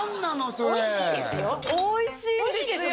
それおいしいですよ